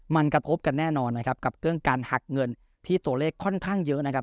มันกระทบกันแน่นอนนะครับกับเรื่องการหักเงินที่ตัวเลขค่อนข้างเยอะนะครับ